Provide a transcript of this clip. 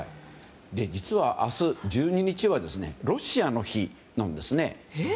実は、明日１２日はロシアの日なんですね。